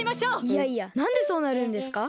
いやいやなんでそうなるんですか？